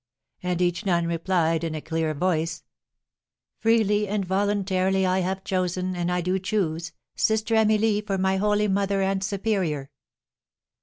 And each nun replied in a clear voice: "Freely and voluntarily I have chosen, and I do choose, Sister Amelie for my holy mother and superior."